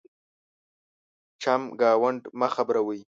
چمګاونډ مه خبرَوئ.